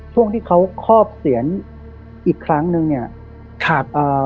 ช่วงที่เขาครอบเสียนอีกครั้งนึงเนี่ยครับเอ่อ